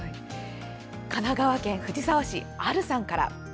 神奈川県藤沢市アルさんから。